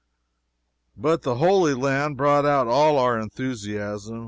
But the Holy Land brought out all our enthusiasm.